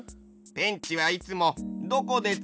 ペンチはいつもどこでつかうの？